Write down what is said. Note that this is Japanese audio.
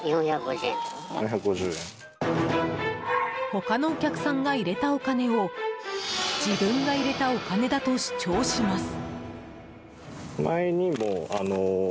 他のお客さんが入れたお金を自分が入れたお金だと主張します。